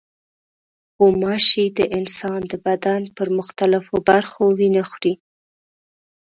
غوماشې د انسان د بدن پر مختلفو برخو وینه خوري.